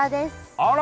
あら！